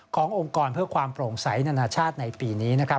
องค์กรเพื่อความโปร่งใสนานาชาติในปีนี้